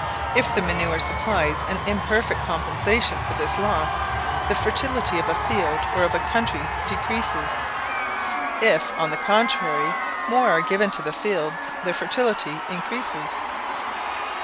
If the manure supplies an imperfect compensation for this loss, the fertility of a field or of a country decreases; if, on the contrary, more are given to the fields, their fertility increases.